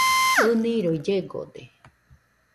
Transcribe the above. ɨniroi llegode.